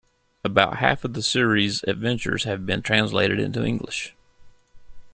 About half of the series' adventures have been translated into English.